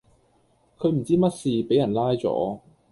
佢唔知乜事,卑人拉左